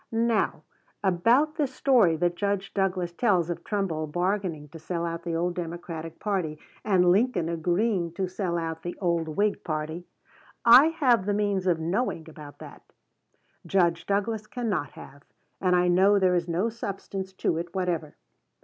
Now, about this story that Judge Douglas tells of Trumbull bargaining to sell out the old Democratic party, and Lincoln agreeing to sell out the old Whig party, I have the means of knowing about that; Judge Douglas cannot have; and I know there is no substance to it whatever.